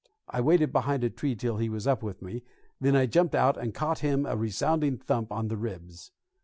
I waited behind a tree till he was up with me, when I jumped out and caught him a resounding thump on the ribs.